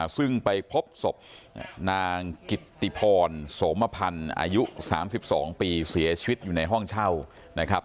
ซึ่งไปพบศพนางกิตติพรโสมพันธ์อายุ๓๒ปีเสียชีวิตอยู่ในห้องเช่านะครับ